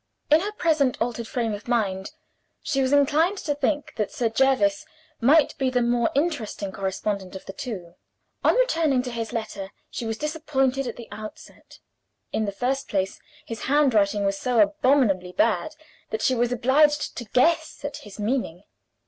In her present altered frame of mind, she was inclined to think that Sir Jervis might be the more interesting correspondent of the two. On returning to his letter, she was disappointed at the outset. In the first place, his handwriting was so abominably bad that she was obliged to guess at his meaning.